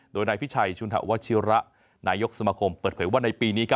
โดยนายพิชัยชุนธวัชิระนายกสมคมเปิดเผยว่าในปีนี้